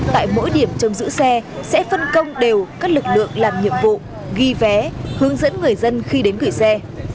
tại mỗi điểm trong giữ xe sẽ phân công đều các lực lượng làm nhiệm vụ ghi vé hướng dẫn người dân khi đến gửi xe